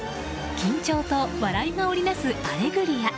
緊張と笑いの織り成す「アレグリア」。